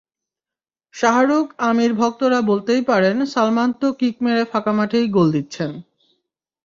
শাহরুখ-আমির ভক্তরা বলতেই পারেন, সালমান তো কিক মেরে ফাঁকা মাঠেই গোল দিচ্ছেন।